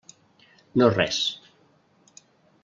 No res.